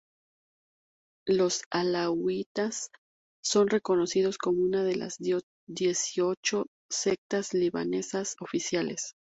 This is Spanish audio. Los alauitas son reconocidos como una de las dieciocho sectas libanesas oficiales.